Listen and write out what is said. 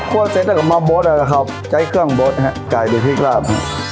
คั่วเสร็จแล้วกลับมาบดแล้วครับใช้เครื่องบดอ่ะฮะกลายเป็นพริกลาบ